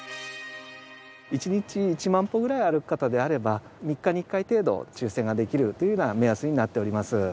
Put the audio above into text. １日１万歩ぐらい歩く方であれば３日に１回程度抽選ができるというような目安になっております。